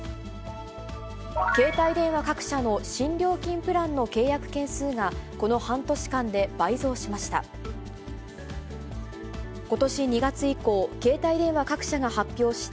携帯電話各社の新料金プランの契約件数が、この半年間で倍増しました。